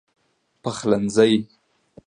پخلنځی